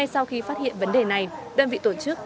sau khi phát hiện vấn đề này đơn vị tổ chức